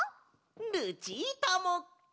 ルチータも！